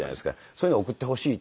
そういうのを送ってほしい。